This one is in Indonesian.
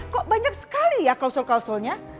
kok banyak sekali ya kausul kausulnya